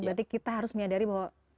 berarti kita harus menyadari bahwa